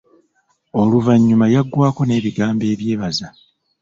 Oluvanyuma yagwako n'ebigambo ebyebaza.